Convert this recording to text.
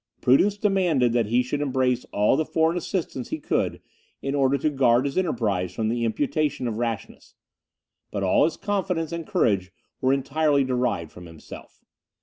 Prudence demanded that he should embrace all the foreign assistance he could, in order to guard his enterprise from the imputation of rashness; but all his confidence and courage were entirely derived from himself.